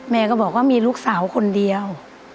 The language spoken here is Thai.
แม่ก็บอกว่ามีลูกสาวคนเดียว